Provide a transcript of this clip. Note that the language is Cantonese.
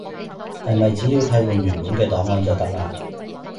係咪只要替換原本嘅檔案就得喇？